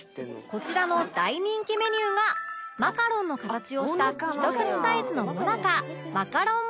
こちらの大人気メニューがマカロンの形をしたひと口サイズのもなか